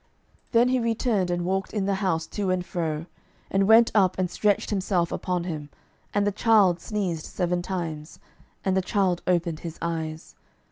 12:004:035 Then he returned, and walked in the house to and fro; and went up, and stretched himself upon him: and the child sneezed seven times, and the child opened his eyes.